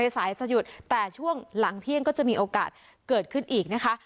สายจะหยุดแต่ช่วงหลังเที่ยงก็จะมีโอกาสเกิดขึ้นอีกนะคะ